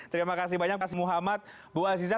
terima kasih banyak pak muhammad buaziza